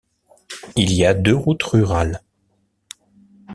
Il y a deux routes rurales.